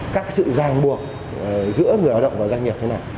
các sự giang buộc giữa người hoạt động và doanh nghiệp thế nào